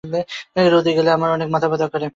রোদে গেলে আমার অনেক মাথা ব্যথা করে।